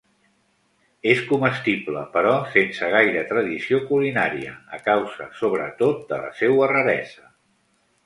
És comestible, però sense gaire tradició culinària, a causa sobretot de la seua raresa.